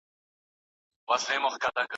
زموږ ځوانان بايد خپل تاريخ وپيژني.